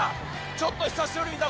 ちょっと久しぶりに見た。